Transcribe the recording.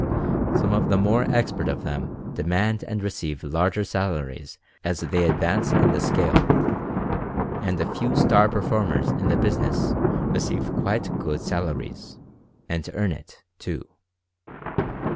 Some of the more expert of them demand and receive larger salaries as they advance in the scale, and a few "star performers" in the business receive quite good sal aries — and earn it, too.